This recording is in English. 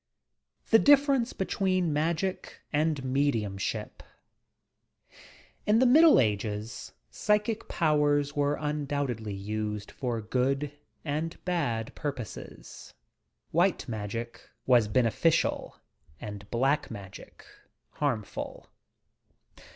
THE DIPPERENCE BETWEEN MAGIC AND MEDIUMSHIP In the middle ages psychic powers were undoubtedly used for good and bad purposes. White magic was bene ficial and black magic harmful.